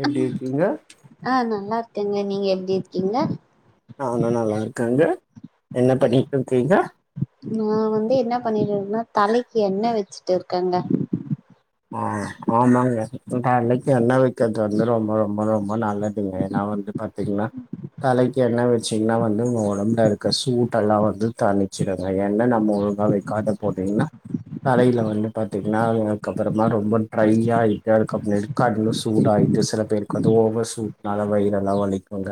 எப்டி இர்க்கீங்க லார்க்கேங்க நீங்க எப்டி இருக்கீங்க ஆ நா நல்லார்க்கங்க என்ன பண்ணிட் இர்க்கீங்க நா வந்து என்ன பண்ணிட் இர்க்குனா தலக்கு எண்ண வெச்சுட்டு இர்க்கங்க ஆ ஆமாங்க தலக்கி என்ன வக்கற்து வந்து ரொம்ப ரொம்ப ரொம்ப நல்லதுங்க எனாவ வந்து பாத்தீங்ளா தலக்கி என்ன வெச்சீங்னா வந்து உங்க ஒடம்ல இருக்க சூட்டலா வந்து தணிச்சிடுங்க ஏன்ன நம்மோ ஒரு காலை காட்ட போட்டீங்னா தலைல வந்து பா்த்தீங்னா கப்புறமா ரொம்ப ட்ரை ஆயிட்டு அதுக்கப்னு எடுக்காடுன்னு சூட் ஆயிட்டு சில பேருக்கு வந்து ஓவ சூட்னால வய்றல்லா வலிக்குங்க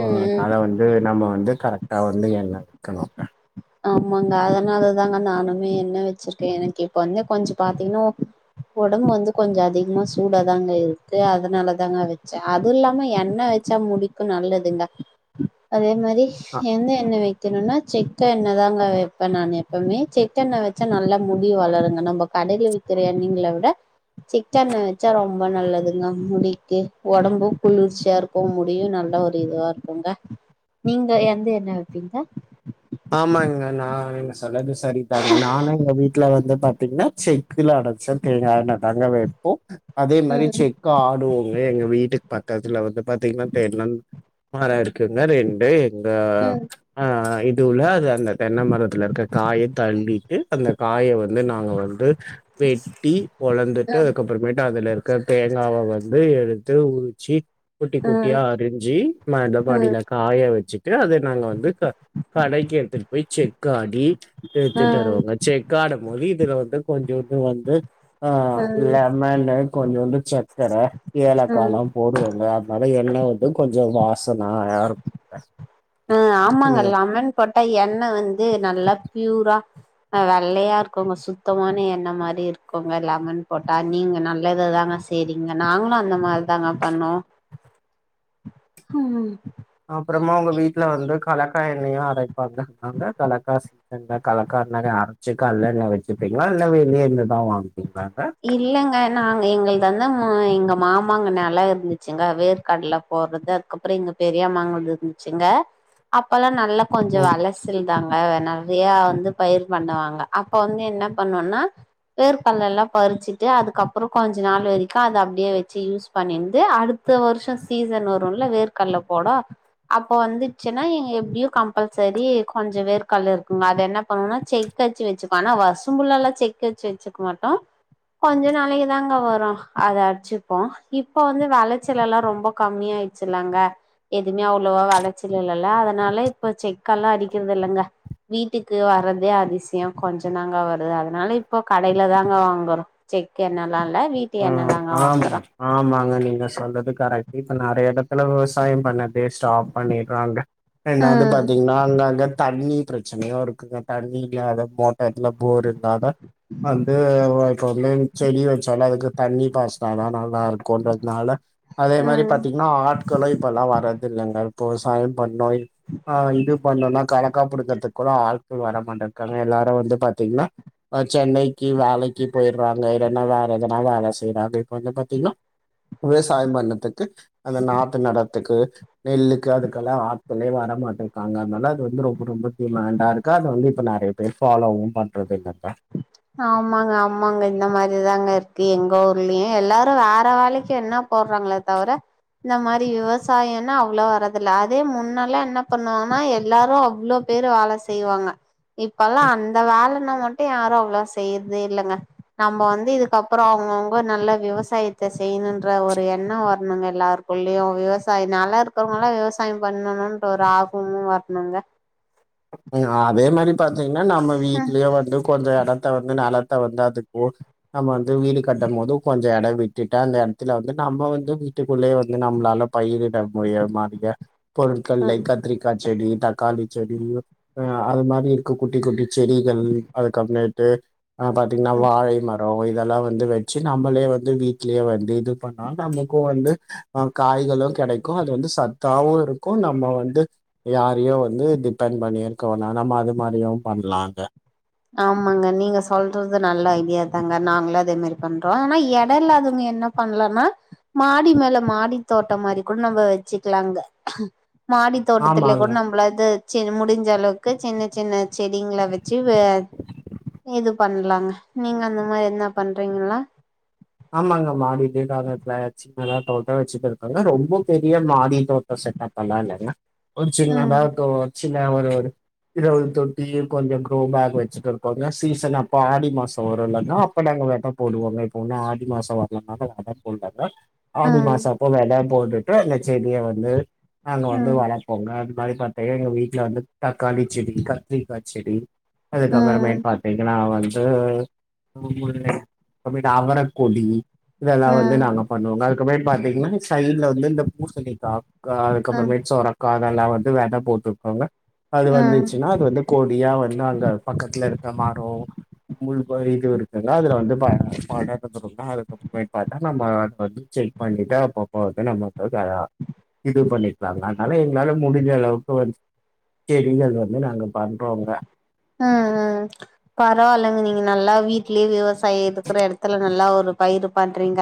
ஒ ம் அத வந்து நம்ம வந்து கரக்டா வந்து என்ன விக்கணு ஆமாங்க அதனாலதாங்க நானுமே என்ன வெச்சுர்க்கே எனக்கு இப்ப வந்து கொஞ்ச பாத்தீங்னு ஒடம் வந்து கொஞ்ச அதிக்மா சூடாதாங்க இருக்கு அதனால தாங்க வெச்ச அதுல்லாம எண்ணய் வெச்சா முடிக்கு நல்லதுங்க அதே மரி ஆ எந்த என்ன வெக்கணுன்னா செக் கென்ன தாங்க வெப்ப நான் எப்பமே செக் எண்ண வெச்சா நல்லா முடி வளருங்க நம்ப கடைல விக்கிற எண் நீங்ள உட செக் எண்ண வெச்சா ரொம்ப நல்லதுங்க முடிக்கு ஒடம்பு குளிர்ச்யா இருக்கு முடியு ந நல்ல ஒரு இதுவார்க்குங்க நீங்க எந்து என்ன வெப்பீங்க ஆமாங்க நா என்னஸ் சொல்லது சரிதாங்க நானு எங்க வீட்ல வந்து பாத்தீங்னா செக்குல அடச்ச தேங்கா என்ன தாங்க வே போ அதே மரி ம் செக்க ஆடுவோங்க எங்க வீட்டுக் பக்கதுல வந்து பாத்தீங்னா தேட்னங் மற இருக்குங்க ரெண்டு எங்க ம் அ இதுவுல அத இந்த தென்ன மரத்துல இருக்க காய தன்டிட்டு அந்த காய வந்து நாங்க வந்து வெட்டி ஒளந்துட்டு ம் அதுக்கப்பறமேட்டு அதுல இருக்க தேங்காவ வந்து எடு உத்தே ஊச்சி குட்டி ம் குட்டியா அரிஞ்சி ம் மதபாடில காய வெச்சி தே அதே நாங்க வந்து க கடைக்கி எட்த்துட் போய் செக்காடி ம் ஏத்திட் ம் வருவோங்க செக்காடமோது இவ் தில வந்து கொஞ்சோன்டு வந்து ஆ ம் லெமனு கொஞ்சோன்டு சக்கர ஏலக்காலா போடுவாங்க அத்னாலயே ன்ன வந்து கொஞ்ச வாசனா யாரு அ ஆமாங்க லமன் போட்டா எண்ண வந்து நல்ல ப்யூரா அ வெள்ளயாருக்கங்க சுத்தமான எண்ண மாரி இருக்குங்க லமன் போட்டா நீங்க நல்லத தாங்க சேரிங்க நாங்ளு அந்த மார் தாங்க பண்ணோ அப்றமா உங்க வீட்ல வந்து கலக்கா எண்ணயு அரைப்பாங்க அங்க கலக்காசி ரெண்டா கலக்கார்னாவே அரச்சு கல்லென்ன வெச்சிப்பீங்ளா இல்ல வெளியேர்ந்து தா வாங்கு இல்லங்க நாங்க எங்கள் தந்தாங்க அ எங்க மாமாங்க நெல இருந்துச்சுங்க வேர்க்கட்ல போற்றது அதுக்கப்ற இங்க பெரியாம்மா வந்துருந்துச்சு சிங்க அப்பலா நல்ல கொஞ்ச ம் வெலசில்தாங்க வேவ நற்யா வந்து பயிர் பண்ணுவாங்க அப்ப வந்து என்ன பண்ணுன்னா வேர்க்கல்லலா பறிச்சுட்டு அதுக்கப்ற கொஞ்ச நாள் வெரிக்கு அது அப்டியே வெச்சி யூஸ் பண்ணிந்து அடுத்த வர்ஷ சீச சன் வருல வேர்க்கல்ல போடோ அப்போ வந்துட்ச்சுனா எங்க எப்டியு கம்பல்சரி கொஞ்ச வேர்க்கல்ல இருக்குங்க அத என்ன பண்ணுனா செக் க்கச் வச்சுகோ ஆனா வரசம்புல்லாலா செக்கச் வச்சுக்க மாட்டோ கொஞ்ச நாளைக்கு தாங்க வரும் அத அச்சுப்போ இப்ப வந்து வெளச்சலல்லா ரொம்ப கம்மி யாயிச்சுல்லங்க எதுமே அவ்ளோவா வெளச்சல் இல்லல்ல அதனால இப்ப செக்கெல்லா அடிக்றதில்லங்க வீட்டுக்கு வரதே அதிசயம் கொஞ்ச தாங்க வருது அதனால இப்போ கடைலதாங்க வாங்கறோ செக்கெண்ணலா இல் ஹ்ம் ஆமாங்க ஆமாங்க நீங்க சொல்றது கரெக்ட்டு இப்ப நெறையெடத் துல விவசாயம் பண்ணதே ஸ்டாப் பண்ணிட்றாங்க ரெண்டாவது ம் பாத்தீங்னா அங்கங்க தண்ணி பிரச் சனயோருக்குங்க தண்ணி இல்லாத மோட்டர்ல போர்ருல்லாதா வந்து அஹ் இப்ப வந்து செடி வச்சாலு அதுக்கு தண்ணி பாஸ்னாதா நல் லா இருக்கோன்றதுனால அதே மாரி ம் பாத்தீங்னா ஆட்களு இப்பலா வரத் தில்லங்கள் இப்போ விவசாயம் பண்ணோய் ஆஹ் இது பண்ணோனா கலக்காப்புடிங்றதுக்குட ஆள்கள் வரமாட்ட காங்க எல்லாரு வந்து பாத்தீங்னா அஹ் சென்னைக்கி வேலைக்கி போயிறாங்க இல்லனா‌ வே எதனா வேல செய்றாங்க இப்ப வந்து பாத்தீங்னா விவசாய பண்ணதுக்கு அந்த நாத்து நடத்துக்கு நெல்லுக்கு அதுக்கெல்லா ஆட்களே வர மாட்டுக்காங்க அதனால அது வந்து ரொம்ப ரொம்ப டிமேண்டாருக்கு அத வந்து இப்ப நெறைய பேர் ஃபாலோவும் பண்றதுல்லங்க ஆமாங்க ஆமாங்க இந்த மாரிதாங்க இருக்கு எங்க ஊர்லயு எல்லாரும் வேற வேலைக்கு என்னப் போர்றாங்ளே தவர இந்த மாரி விவசாயன்னா அவ்ளோ வரதில்ல அதே முன்னல்ல என்ன பண்ணுவாங்கன்னா எல்லாரு அவ்ளோ பேரு வேல செய்வாங்க இப்பல்லா அந்த வேலனா மட்டு யாரும் அவ்ளோ செய்றதேல்லங்க நம்ப வந்து இதுக்கப்றம் அவங்கவுங்க நல்ல விவசாயத்த செய்ணுன்ற ஒரு என்ன வரணுங்க எல்லாருக்குள்ளியு விவசாயி நல்லா இருக்கவங்ல்லா விவசாய பண்ணணுன்ற ஒரு ஆகுவமு வர்னுங்க ம் அதே மாரி பாத்தீங்னா நம்ம வீட்லியே வந்து கொஞ்ச எடம் த்த வந்து நெலத்த வந்து அதுக் போ நம்ம வந்து வீடு கட்டம்போது கொஞ்ச எட விட்டுட்டா அந்த இடத்ல வந்து நம்ம வந்து வீட்டுக்குள்ளியே வந்து நம்மளால பயிரு இட முடிய மாட்டிக ம் பொருட்கள்லையு கத்திரிக்கா செடி தக்காளி செடியோ அஹ் அது மாரி இருக்கு குட்டி குட்டி செடிகள் அதுக்கு அப்மேட்டு அஹ் பாத்தீங்னா ம் வாழை மர ரோ இதெல்லா வந்து வச்சு நம்மளே வந்து வீட்லியே வந்து இது பண்ணா நமக்கு வந்து அஹ் காய் களு கிடைக்கு அது வந்து சத்தாவு இருக்கு நம்ம வந்து யாரையு வந்து டிபெண்ட் பண்ணிரு க்கவேனா நம்ம அது மாரியு பண்லாங்க ஆமாங்க நீங்க சொல்றது நல்ல ஐடியா தாங்க நாங்களு அதே மாரி பண்றோம் ஆனா எடோ இல்லாதவங்க என்ன பண்ணலனா மாடி மேல மாடி தோட்டம் மாரி கூட நம்ம வச்சிக்கலாங்க மாடி தோட்டத்துலேயே ஆமாங்க கூட நம்மள இது சின் முடிஞ்ச அளவுக்கு சின்ன சின்ன செடிங்கள வச்சு வெ இது பண்ணலாங்க நீங்க அந்த மாரி எத்னா பண்றீங்களா ஆமாங்க மாடிலே காபௌண்ட்ல வச்சி நல்லா தோட்டம் வச்சுட்டு இருக்காங்க ரொம்ப பெரிய மாடி தோட்டம் செட்டப்பல்லா இல்லங்க ஒரு ம் சின்னதாக்கும் ஒரு சின்ன ஒரு ஒரு இறவது தொட்டி கொஞ்சம் க்ரோ பேக் வச்சுட்டு இருக்கோங்க சீசன் அப்ப ஆடி மாசம் வரும் இலன்னா அப்ப நாங்க வெத போடுவாங்க இப்ப ஒன்னும் ஆ டி மாசம் வரலனால வெத போட்லங்க ஆடி ம் மாசப்போ வெத போட்டுட்டு அந்த செடிய வந்து நாங்க வந்து ம் வளர்ப்போங்க அது மாரி பாத்தீங்க எங்க வீட்டுல வந்து தக்காளி செடி கத்திரிக்கா செடி ம் அதுக்கப்புறமேட் பாத்தீங்கன்னா வந்து [unintelligible] அவரக் கொடி இதெல்லா வந்து ம் நாங்க பண்ணுவோங்க அதுக்கப்மேட் பாத்தீங்கன்னா சைட்ல வந்து இந்த பூசணிக்கா ம் அதுக்கப்புறமேட் சொரக்கா அதெல்லாம் வந்து வெத போட்டுருக்கோங்க அது ம் வந்துச்சுன்னா அது வந்து கொடியா வந்து அங்க பக்கத்துல இருக்க மரோ முள் போயிட்டு இருக்குங்க அதுல வந்து பட பட அதுக்கப்புற அதுக்கப்புறம் பாத்தா நம்ம அத வந்து செக் பண்ணிட்டு அப்பப்ப வந்து நம்மக்கு இடு பண்ணிருதாங்க அதனால எங்களால முடிஞ்ச அளவுக்கு வந்து தெரியலனு அங்க பாத்துகோங்க உம் உம் பரவாயில்ங்க நீங்க நல்லா வீட்லயே விவசாய இருக்கற இடத்துல நல்லா ஒரு பயிர் பண்றீங்க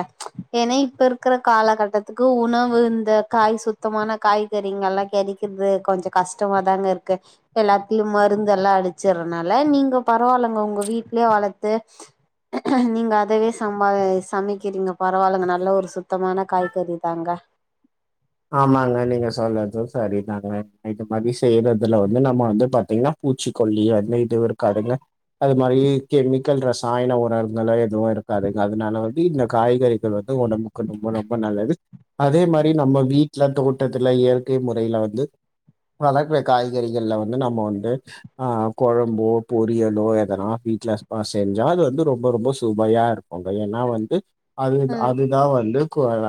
ஏன்னா இப்ப இருக்குற காலகட்டத்துக்கு உணவு இந்த காய் சுத்தமான காய்கறிங்க எல்லா கெடக்கிறது கொஞ்சோ கஷ்டமா தாங்க இருக்கு எல்லாத்தலயு மருந்துெல்லா அடிச் சறனால நீங்க பரவாயில்லங்க ஒங்க வீட்லே வளத்து நீங்க அதவே சம்பா சமைக்கிறீங்க பரவாயில்லங்க நல்ல ஒரு சுத்தமான காய்கறி தாங்க [inaudible] ஆமாங்க நீங்க சொல்றது சரிதாங்க இ மாரி செய்யறதுல வந்து நம்ம வந்து பாத்தீங்கன்னா பூச்சிக்கொல்லி அந்த இது இருக்காதுங்க அது மாரி கெமிக்கல் ரசாயன உணவுங்கள்லா எதுவு இருக்காதுங்க அதனால வந்து இந்த காய்கறிகள் வந்து உடம்புக்கு ரொம்ப ரொம்ப நல்லது அதே மாரி நம்ம வீட்டுல தோட்டத்துல இயற்கை முறையில வந்து வளர்க்கற காய்கறிகள்ல வந்து நம்ம வந்து ஆ கொழம்போ பொரியலோ எதனா வீட்ல அத்மாஸ் செஞ்சால் அது வந்து ரொம்ப ரொம்ப சூவையா இருக்குங்க ஏன்னா வந்து அது ம் அதுதா வந்து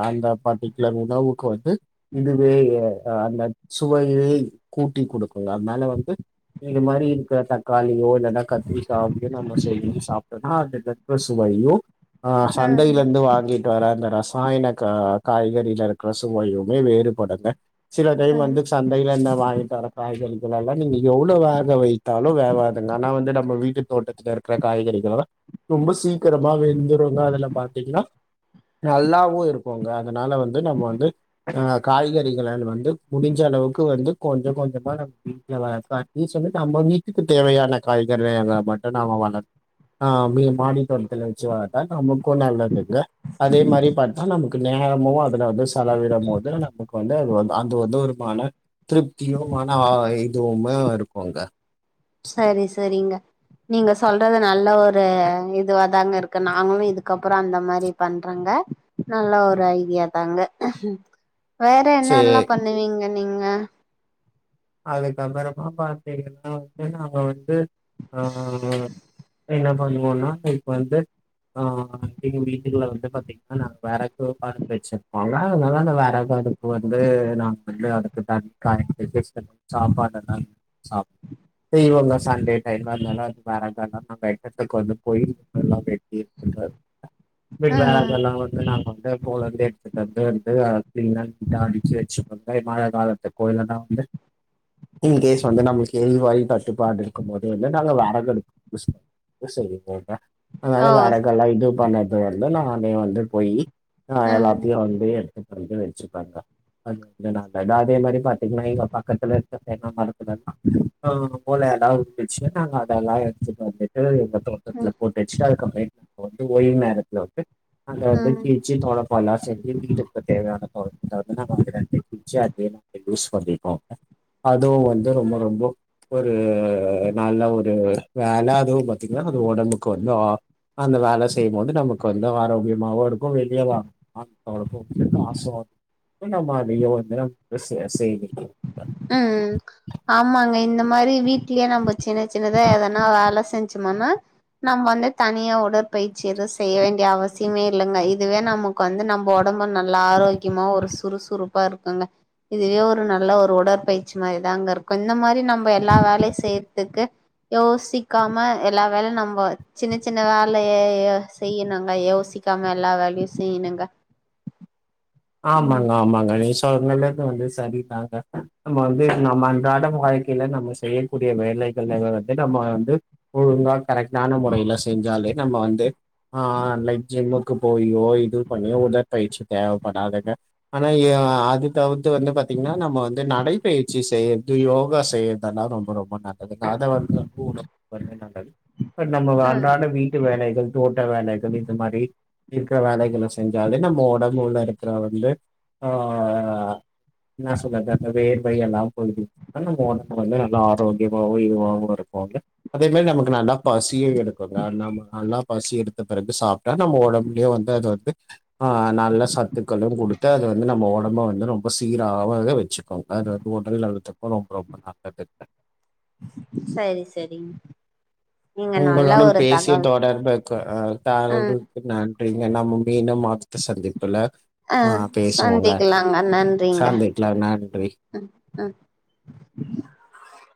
அந்த பர்ட்டிகுலர் உதவுக்கு வந்து இதுவே அந்த சுவையே கூட்டி குடுக்கங்க அதனால வந்து இது மாரி இருக்க தக்காளியோ இல்ன்னா கத்திரிக்காம் நம்ம செஞ்சு சாப்ட்டோன்னா அதுதக்க சுவையோ ஆ சந்தையில இருந்து வாங்கிட்டு வர அந்த ரசாயன காய்கறில இருக்குர சு வயோங்க வேறுபடுங்க சில டைம் ம் வந்து சந்தையில இந்த வாங்கிட்டு வர காய்கறி நீங்க எவ்ளோவு வேக வைத்தாலு வேவாதுங்க ஆனா வந்து நம்ம வீட்டு தோட்டத்துல இருக்கற காய்கறிகல்லா ரொம்ப சீக்கிரமா வெந்துருங்க அதெல்லா பாத்தீங்கன்னா நல்லாவு இருக்குங்க அதனால வந்து நம்ம வந்து ஆ காய்கறிக வந்து முடிஞ்ச அளவுக்கு வந்து கொஞ்ச கொஞ்சமா நீ சொ நம்ம வீட்டுக்கு தேவையான காய்கறே மட்டு நாம வளத் ஆ மி மாடித்தோட்டத்துல வச்சு வரட்டா நம்ம கொள்ளதுங்க அதே மாரி பாத்தா நமக்கு நேரமு அதுல வந்து செல துல நமக்கு வந்து அது அந்த வந்து ஒருமான திருப்தியு மன இதுவுமே இருக்குங்க சரி சரிங்க நீங்க சொல்றது நல்ல ஒரு இதுவாதாங்க இருக்கு இருக்கு நாங்களு இதுக்கப்புறோ அந்த மாரி பண்றோங்க நல்ல ஒரு ஐடியாதாங்க வேற சரி என்னல்லா பண்ணுவீங்க நீங்க அதுக்கப்றமா பாத்தீங்கன்னா வந்து நம வந்து ஆ என்ன பண்ணுவோனா இப்ப வந்து ஆ எங்க வீ வீட்டுகுல்ல வந்து பாத்தீங்கன்னா வேறகு பர்பி வச்சிருப்பொங்க அதனால வேறக அதுக்கு வந்து நா வந்து அதுக்கு தன் கா [unintelligible] சாப்பாட்டதாங் சாப் இவுங்க சண்டே டைம்ம இருந்தால வறகல்லா வெட்டறதுக்கு கொண்டு போயு எல்லா வெட் வீட்ல்லா ம் எதனா சொன்னஙக நா ரெண்ட போலந்து எடுத்துட்டு வந்து வந்துட்ட அடிக்கி வச்சுபோங்க மழ காலத்து கோயில தா வந்து இன்கேஸ் வந்து நம்மளுக்கு எரிவாயு தட்டுப்பாடு இருக்கு போது வந்து நாங்க வெரகு அடுப்பு செய் செய்வோங்க அதனால ஓ வேறகெல்லா இது பண்ணறது வந்து நானே வந்து போயி ஆ ம் எல்லாத்தயு வந்து எடுத் வந்து வெச்சுபெங்க அ தடே அதே மாரி பாத்தீங்னா பக்கத்துல இருக்க தென்ன மரத்துலெல்லா மூல இடோச்சு நாங்க அதெல்லா எடுத்துட்டு வந்துட்டு எங்க தோட்டத்துல ம் போட்டு வச்சுட் அதுக்கப்பெ வந்து ஒய்மேரத்துல வந்து அந்த ம் கீச்சு தொண்ணப்பல்லா செஞ்சு வீட்டுக்கு தேவையான பொற்கல வந்து நாஙக கிச்சு அதே நாங்க யூஸ் பண்ணிப்போ [inaudible] அதுவு வந்து ரொம்ப ரொம்ப ஒரு நல்ல ஒரு வேல அதுவும பாத்தீங்கன்னா அது உடம்புக்கு வந்து ஆ அந்த வேலை செய்யும்போது நமக்கு வந்து ஆரோக்கியமாவும் இருக்கும் வெளிய [unintelligible] அவளுக்கு முக்கியம் காசும் அப்புற நம்ம அதையே வந்து செ செய்தி ம் ஆமாங்க இந்த மாதிரி வீட்லயே நம்ம சின்ன சின்னதா எதனா வேலை செஞ்சும் நம நம்ம வந்து தனியா உடற்பயிற்சி எதுவும் செய்ய வேண்டிய அவசியமே இல்லைங்க இதுவே நமக்கு வந்து நம்ம உட உடம்பு நல்ல ஆரோக்கியமா ஒரு சுறுசுறுப்பா இருக்குங்க இதுவே ஒரு நல்ல ஒரு உடற்ப் பயிற்சி மாதிரிதான் அங்க இருக்கும் இந்த மாதிரி நம்ம எல்லா வேலையும் செய்யறதுக்கு யோசிக்காம எல்லா வேல நம்ம சின்ன சின்ன வேலையே செய்யனுங்க யோசிக்க கக்காம எல்லாம் வேலயையும் செய்யணுங்க ம் ஆமாங்க ஆமாங்க வந்து சரிதாங்க நம்ம வந்து நம்ம அன்றாட வாழ்க்கையில நம்ம செய்யக்கூடிய வேலை [unintelligible] வந்து நம்ம வந்து ஒழுங்காக கரெக்டான முறையில செஞ்சாலே நம்ம வந்து ஆ லைக் ஜிம்முக்கு போயோ இது பண்ணியோ உடர்பயிச்சு [unintelligible] படாதங்க ஆனா அது தாவது வந்து பாத்தீங்கன்னா நம்ம வந்து நடைபயிற்சி செய்ர்தயோ யோகா செய்யறதுல்லாம் ரொம்ப ரொம்ப நல்லதுங்க அத வந்து [unintelligible] இப்ப நம்ம ம் அன்றாட வீட்டு வேலைகள் தோட்ட வேலைகள் இந்த மாரி இருக்கிற வேலைகளை செஞ்சாலே நம்ம உடம்பு உள்ள இருக்கரவ்வந்து ஆ என்ன சொல்லது அந்த வேர் வ எல்லாம் போயது ஆனா ஓட்டம் வந்து நல்லா ஆரோக்கியமாவும் இதுவாவவும் இருக்கும் அதே மாதிரி நமக்கு நல்லா பசிய எடுக்குங்க நம்ப நல்லா பசி எடுத்த பிறகு சாப்பிட்டா நம்ம உடம்புயே வந்து அது வந்து ஆ நல்ல ச அது வந்து நம்ம உடம்ப வந்து ரொம்ப சீராகவே வச்சுக்கோம் அது வந்து உடல் நலத்துக்கும் ரொம்ப ரொம்ப நல்லது [inaudible] சரி சரிங்க நீங்க நல்ல உங்களுடன் ஒரு பேசிய தகவல் தொடர்புக்கு ம் தரக்கு நன்றி என்ன முந்திய இன்னும் மாத்த சந்திப்புல ஆ ஆஹ் பேசுவோங்க சந்திக்கலாங்க நன்றிங்க சந்திக்கலாம் நன்றி உம் ம் [inaudible]